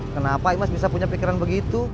kenapa imas bisa punya pikiran begitu